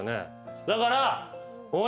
だから。